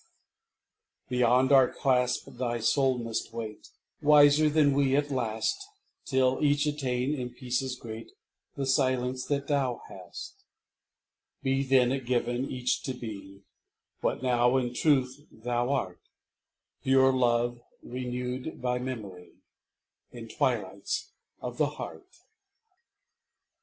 49 HELEN PETERSON Beyond our clasp thy soul must wait, Wiser than we at last, Till each attain, in peace as great, The silence that thou hast; Be then it given each to be What now in truth thou art — Pure love renewed by memory In twilights of the heart.